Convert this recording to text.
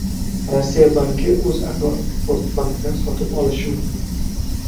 Rossiya banki “O‘zagroeksportbank”ni sotib olishi mumkin